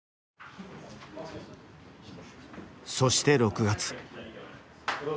そして６月。